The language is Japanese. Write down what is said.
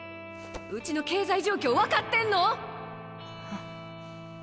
うちの経済状況分かってんの！？